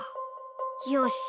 よし。